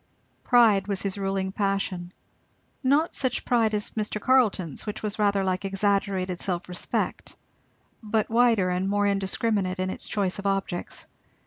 Pride was his ruling passion; not such pride as Mr. Carleton's, which was rather like exaggerated self respect, but wider and more indiscriminate in its choice of objects.